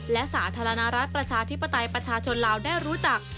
และสาธารณรัฐประชาธิปไตยประชาชนลาวได้รู้จัก